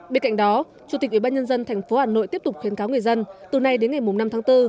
bên cạnh đó chủ tịch ủy ban nhân dân tp hà nội tiếp tục khuyến cáo người dân từ nay đến ngày năm tháng bốn